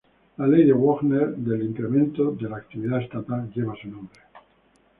La ley de Wagner del incremento de la actividad estatal lleva su nombre.